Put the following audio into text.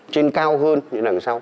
trên cao hơn như đằng sau